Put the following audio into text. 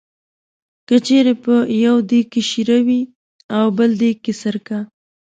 که چېرې په یو دېګ کې شېره وي او بل دېګ کې سرکه.